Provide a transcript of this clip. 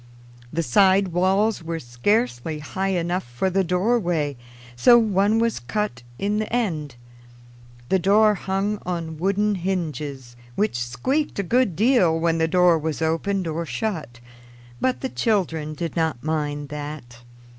The side walls were scarcely high enough for the doorway, so one was cut in the end. The door hung on wooden hinges, which squeaked a good deal when the door was opened or shut; but the children did not mind that.